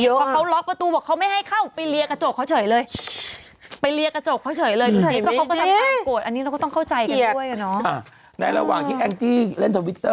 เพราะเขาล็อกประตูบอกเค้าไม่ให้เข้าไปเรียกกระจกเค้าเฉยเลยไปเรียกกระจกเค้าเฉยเลย